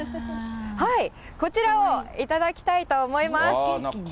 こちらを頂きたいと思います。